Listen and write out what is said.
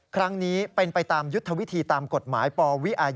ครั้งนี้เป็นไปตามยุทธวิธีตามกฎหมายปวิอาญา